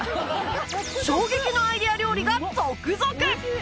衝撃のアイデア料理が続々！